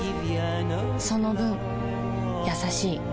その分優しい